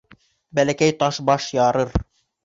Бәләкәй таш баш ярыр.